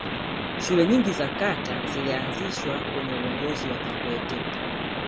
shule nyingi za kata zilianzishwa kwenye uongozi wa kikwete